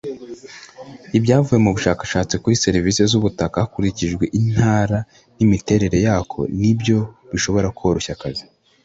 Ibyavuye mu bushakashatsi kuri serivisi z’ ubutaka hakurikijwe intara n’imiterere yako nibyo bishobora koroshya akazi.